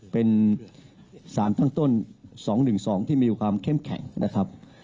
เป็นสารตั้งต้น๒๑๒ที่มีความเข้มแข็งนะครับ